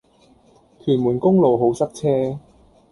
屯門公路好塞車